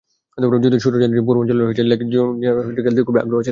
যদিও সূত্র জানিয়েছে, পূর্বাঞ্চলের লেগ স্পিনার জুবায়ের খেলতে খুবই আগ্রহী ছিলেন।